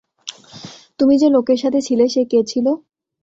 তুমি যে লোকের সাথে ছিলে সে কে ছিল?